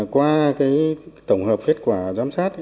qua tổng hợp kết quả giám sát